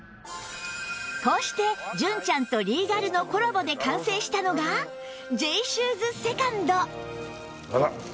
こうして純ちゃんとリーガルのコラボで完成したのが Ｊ シューズ ２ｎｄあら！